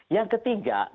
yang ketiga itu apa